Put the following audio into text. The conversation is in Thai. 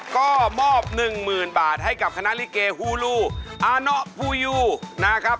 ก็มอบหนึ่งหมื่นบาทให้กับคณะลิเกฮูลูอาณาภูยูนะครับ